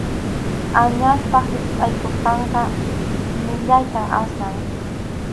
Añaspa hispʼaykusqanqa millayta asnan.